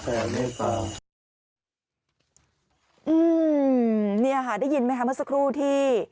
อือมนี่ฮะได้ยินไหมคะเมื่อสักครู่ที่